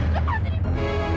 lepas ini ibu